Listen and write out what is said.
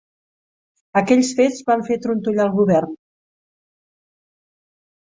Aquells fets van fer trontollar el govern.